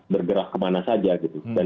bergerak kemana saja